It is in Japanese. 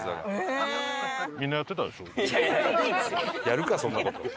やるかそんな事。